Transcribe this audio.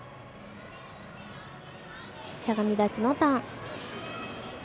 しゃがみ立ちのターン。